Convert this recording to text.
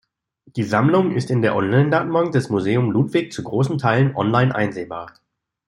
Die Sammlung ist in der Onlinedatenbank des Museum Ludwig zu großen Teilen online einsehbar.